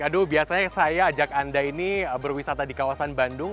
aduh biasanya saya ajak anda ini berwisata di kawasan bandung